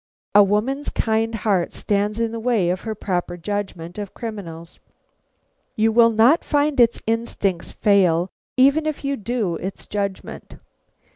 A woman's kind heart stands in the way of her proper judgment of criminals." "You will not find its instincts fail even if you do its judgment."